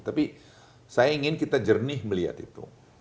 tapi saya ingin kita jernih melihat itu